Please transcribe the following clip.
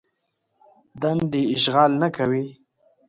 دندې اشغال نه کوي.